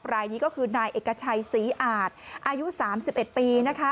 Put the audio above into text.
รายนี้ก็คือนายเอกชัยศรีอาจอายุ๓๑ปีนะคะ